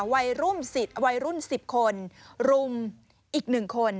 วัยรุ่นสิบคนรุ่นอีกหนึ่งคน